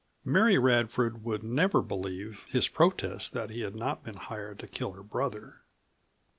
Mary Radford would never believe his protest that he had not been hired to kill her brother.